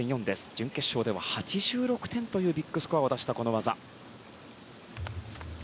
準決勝では８６点というビッグスコアを出した技。